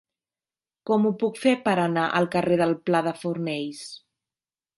Com ho puc fer per anar al carrer del Pla de Fornells?